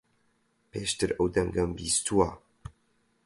پێشتر ئەو دەنگەم بیستووە.